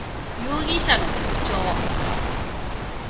容疑者の特徴